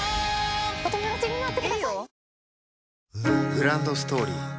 グランドストーリー